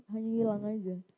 hanya hilang aja